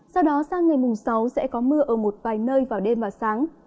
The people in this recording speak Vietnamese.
sau đó sang ngày mùng sáu sẽ có mưa ở một vài nơi vào đêm và sáng